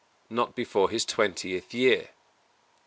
Not before his twentieth year.